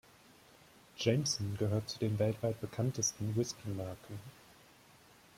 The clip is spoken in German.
Jameson gehört zu den weltweit bekanntesten Whiskey-Marken.